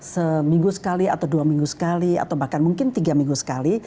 seminggu sekali atau dua minggu sekali atau bahkan mungkin tiga minggu sekali